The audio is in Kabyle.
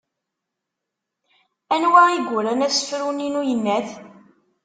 Anwa i yuran asefru-nni n uyennat?